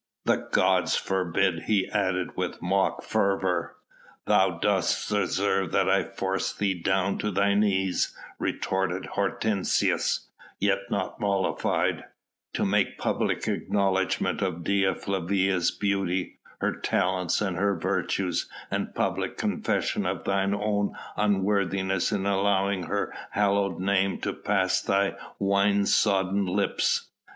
The gods forbid!" he added with mock fervour. "Then dost deserve that I force thee down to thy knees," retorted Hortensius, not yet mollified, "to make public acknowledgment of Dea Flavia's beauty, her talents and her virtues, and public confession of thine own unworthiness in allowing her hallowed name to pass thy wine sodden lips."